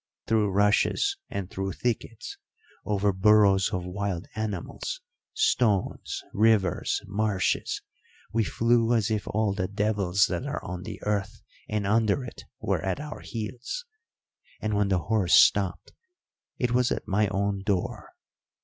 Through rushes and through thickets, over burrows of wild animals, stones, rivers, marshes, we flew as if all the devils that are on the earth and under it were at our heels; and when the horse stopped it was at my own door.